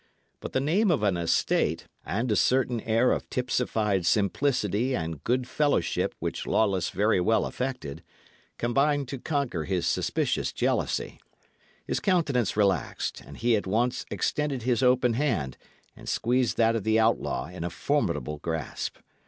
But the name of an estate, and a certain air of tipsified simplicity and good fellowship which Lawless very well affected, combined to conquer his suspicious jealousy; his countenance relaxed, and he at once extended his open hand and squeezed that of the outlaw in a formidable grasp.